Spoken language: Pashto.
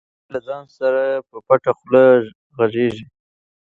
دی له ځان سره په پټه خوله غږېږي.